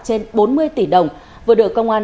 trên bốn mươi tỷ đồng vừa được công an